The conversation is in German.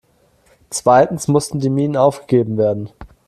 Zweitens mussten die Minen aufgegeben werden.